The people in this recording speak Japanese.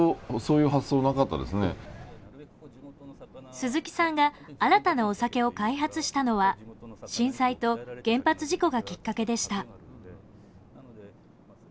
鈴木さんが新たなお酒を開発したのは震災と原発事故がきっかけでした。